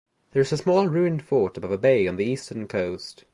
There is a small ruined fort above a bay on the eastern coast.